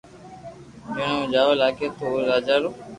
جني او جاوا لاگي تو اوري راجا رو